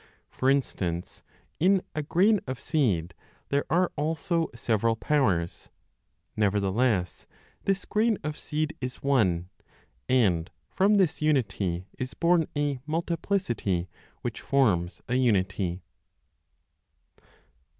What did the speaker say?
For instance, in a grain of seed there are also several powers; nevertheless this grain of seed is one, and from this unity is born a multiplicity which forms a unity.